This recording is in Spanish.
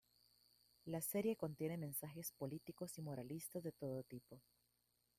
La serie contiene mensajes políticos y moralistas de todo tipo.